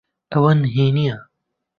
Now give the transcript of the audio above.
ئەوە نهێنییە؟